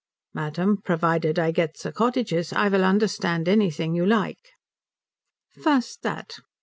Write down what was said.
"Madam, provided I get the cottages I will understand anything you like." "First that.